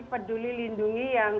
peduli lindungi yang